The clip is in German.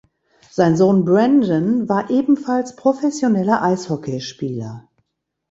Sein Sohn Brandon war ebenfalls professioneller Eishockeyspieler.